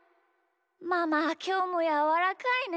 ママはきょうもやわらかいね。